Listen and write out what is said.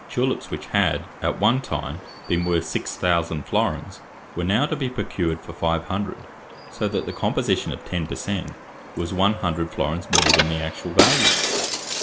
Tulips which had, at one time, been worth six thousand florins, were now to be procured for five hundred; so that the composition of ten per cent was one hundred florins more than the actual value.